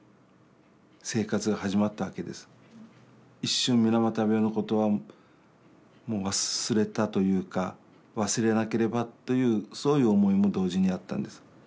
一瞬水俣病のことはもう忘れたというか忘れなければというそういう思いも同時にあったんです。